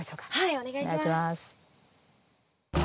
お願いします。